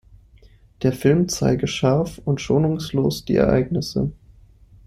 Der Film zeige „"scharf"“ und „"schonungslos"“ die Ereignisse.